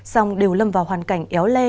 xong đều lâm vào hoàn cảnh éo le